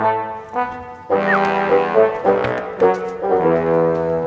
nih bolok ke dalam